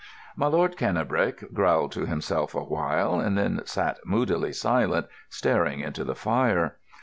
My Lord Cannebrake growled to himself awhile, and then sat moodily silent, staring into the fire.